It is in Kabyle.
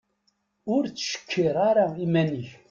Ur ttcekkir ara iman-ik.